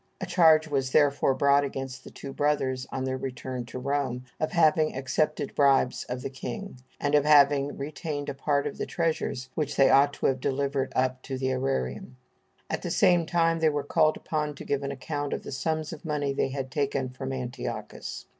A charge was therefore brought against the two brothers, on their return to Rome, of having accepted bribes of the king, and of having retained a part of the treasures which they ought to have delivered up to the ærarium. At the same time they were called upon to give an account of the sums of money they had taken from Antiochus.